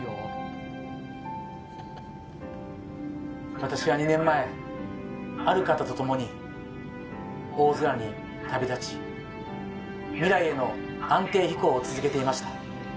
私は２年前ある方と共に大空に旅立ち未来への安定飛行を続けていました。